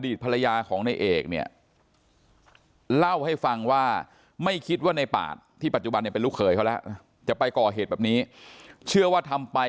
อดีตภรรยาของได้เอกเนี่ยเล่าให้ฟังว่าไม่คิดว่าในปากที่ปัจจุบันเป็นลูกเขยเค้านะ